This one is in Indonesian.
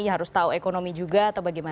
harus tahu ekonomi juga atau bagaimana